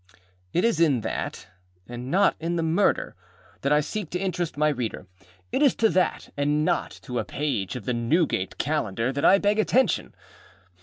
It is in that, and not in the Murderer, that I seek to interest my reader. It is to that, and not to a page of the Newgate Calendar, that I beg attention.